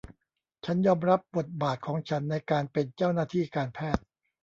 ฉันยอมรับบทบาทของฉันในการเป็นเจ้าหน้าที่การแพทย์